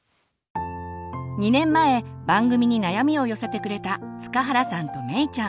２年前番組に悩みを寄せてくれた塚原さんとめいちゃん。